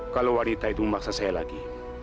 kalau wanita itu memaksa saya lagi